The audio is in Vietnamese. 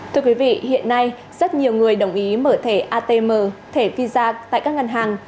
thưa quý vị hiện nay rất nhiều người đồng ý mở thẻ atm thẻ visa tại các ngân hàng